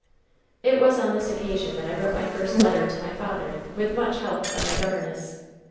"It was on this occasion that I wrote my first letter to my father, with much help from my governess.